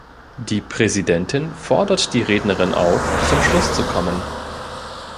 Die Präsidentin fordert die Rednerin auf, zum Schluss zu kommen.